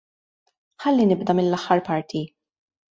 Ħalli nibda mill-aħħar parti.